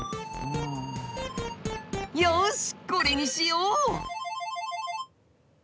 よしこれにしよう！